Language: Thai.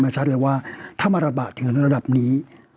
ในระดับนี้